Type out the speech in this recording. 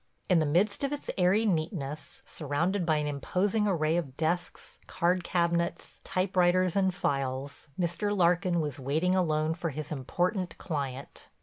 In the midst of its airy neatness, surrounded by an imposing array of desks, card cabinets, typewriters and files, Mr. Larkin was waiting alone for his important client.